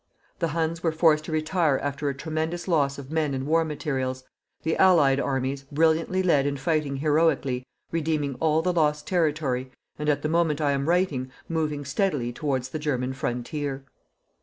The Huns were forced to retire after a tremendous loss of men and war materials, the allied armies, brilliantly led and fighting heroically, redeeming all the lost territory and, at the moment I am writing, moving steadily towards the German frontier.